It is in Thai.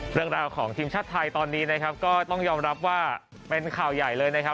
เรื่องราวของทีมชาติไทยตอนนี้นะครับก็ต้องยอมรับว่าเป็นข่าวใหญ่เลยนะครับ